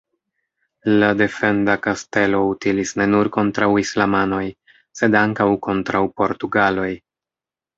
La defenda kastelo utilis ne nur kontraŭ islamanoj, sed ankaŭ kontraŭ portugaloj.